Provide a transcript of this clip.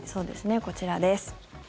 こちらです。